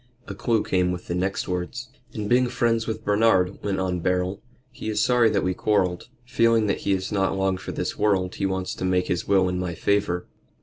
A clue came with the next words. "And being friends with Bernard," went on Beryl, "he is sorry that we quarrelled. Feeling that he is not long for this world he wants to make his will in my favor."